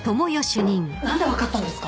何で分かったんですか？